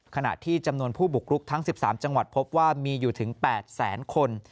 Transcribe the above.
ขณะที่จำนวนผู้บุกรุกทั้ง๑๓จังหวัดพบว่ามีอยู่ถึง๘แสนคน